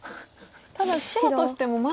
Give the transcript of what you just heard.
ただ白としても。